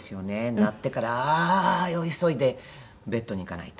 鳴ってからああ急いでベッドに行かないと！